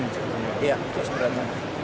iya terus berdatangan